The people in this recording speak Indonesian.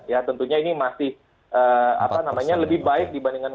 ya tentunya ini masih lebih baik dibandingkan